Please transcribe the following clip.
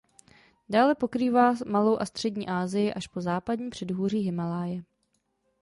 Dále pokrývá Malou a Střední Asii až po západní předhůří Himálaje.